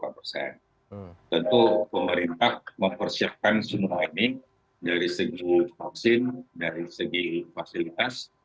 tentu pemerintah mempersiapkan semua ini dari segi vaksin dari segi fasilitas